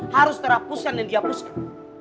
harus terhapuskan dan dihapuskan